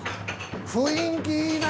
雰囲気いいな。